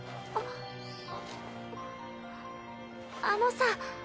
あのさぁ。